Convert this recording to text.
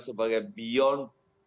sebagai beyond dua ribu dua puluh empat